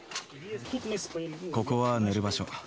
ここは寝る場所。